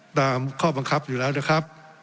ตามข้อบังคับอยู่แล้วนะครับ